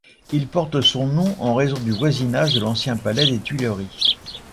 Il porte son nom en raison du voisinage de l'ancien palais des Tuileries.